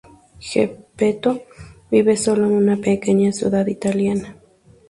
Geppetto vive solo en una pequeña ciudad italiana.